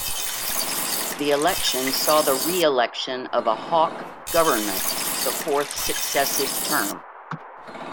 The election saw the reelection of a Hawke government, the fourth successive term.